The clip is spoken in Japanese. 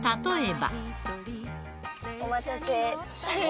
お待たせ。